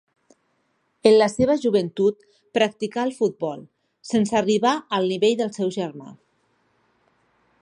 En la seva joventut practicà el futbol, sense arribar al nivell del seu germà.